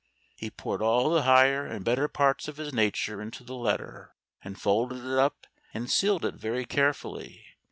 He poured all the higher and better parts of his nature into the letter, and folded it up and sealed it very carefully.